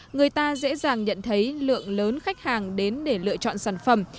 người ta dễ dàng nhận thấy lượng lớn khách hàng đến để lựa chọn sản phẩm